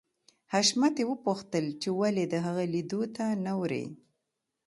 حشمتي وپوښتل چې ولې د هغه لیدو ته نه ورې